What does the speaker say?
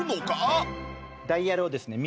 ダイヤルをですね